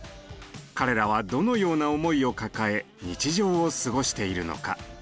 彼らはどのような思いを抱え日常を過ごしているのか。